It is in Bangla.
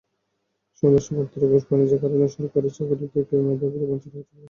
সমাবেশে বক্তারা ঘুষ-বাণিজ্যের কারণে সরকারি চাকরি থেকে মেধাবীরা বঞ্চিত হচ্ছেন বলে অভিযোগ করেন।